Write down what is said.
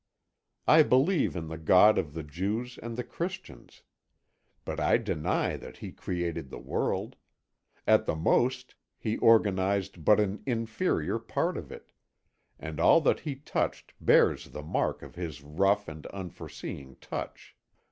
I believe in the God of the Jews and the Christians. But I deny that He created the world; at the most He organised but an inferior part of it, and all that He touched bears the mark of His rough and unforeseeing touch.